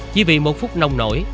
chỉ vì một phút nồng nổi